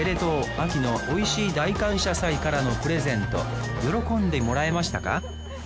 秋のおいしい大感謝祭からのプレゼント喜んでもらえましたか？